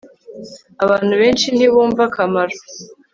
Abantu benshi ntibumva akamaro